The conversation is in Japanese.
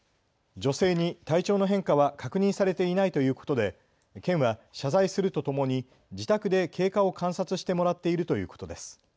女性に体調の変化は確認されていないということで県は謝罪するとともに自宅で経過を観察してもらっているということです。